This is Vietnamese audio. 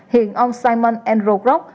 hiện ông simon rorock